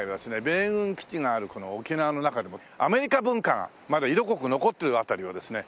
米軍基地があるこの沖縄の中でもアメリカ文化がまだ色濃く残ってる辺りをですね